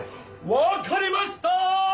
わかりました！